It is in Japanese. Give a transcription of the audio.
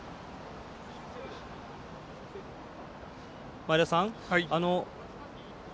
前田さん